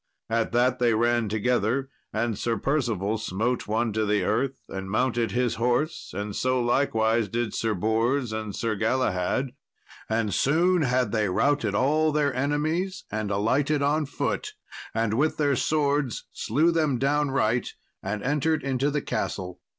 At that they ran together, and Sir Percival smote one to the earth and mounted his horse, and so likewise did Sir Bors and Sir Galahad, and soon had they routed all their enemies and alighted on foot, and with their swords slew them downright, and entered into the castle.